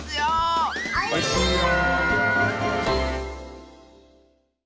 おいしいよ！